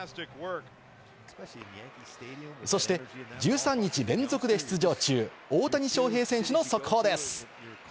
そして１３日連続で出場中、大谷翔平選手の速報です。